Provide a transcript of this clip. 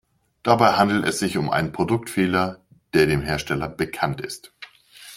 Dabei handelt es sich um einen Produktfehler, der dem Hersteller bekannt ist.